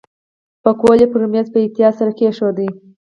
پکول یې پر میز په احتیاط سره کېښود.